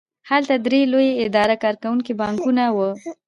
هلته درې لوی اداره کوونکي بانکونه وو